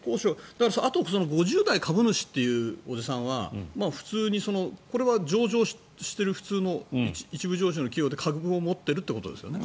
あと５０代株主というおじさんは普通にこれは上場している普通の一部上場の企業で株を持ってるってことですよね？